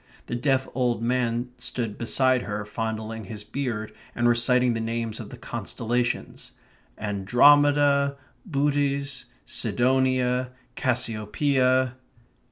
The deaf old man stood beside her, fondling his beard, and reciting the names of the constellations: "Andromeda, Bootes, Sidonia, Cassiopeia...."